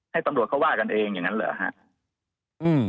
ให้ตำรวจเขาว่ากันเองอย่างนั้นเหรอครับ